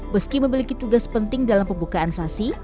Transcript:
meski memiliki tugas penting dalam pembukaan sasi